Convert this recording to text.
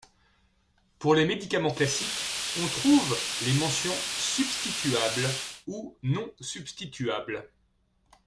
Pour les médicaments classiques, on trouve les mentions « substituable » ou « non substituable ».